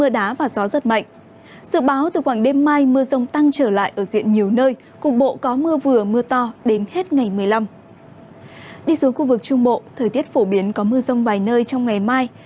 đi xuống khu vực trung bộ thời tiết phổ biến có mưa rông vài nơi trong ngày mai